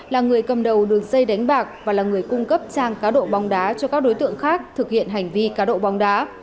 là người cầm đầu đường dây đánh bạc và là người cung cấp trang cá độ bóng đá cho các đối tượng khác thực hiện hành vi cá độ bóng đá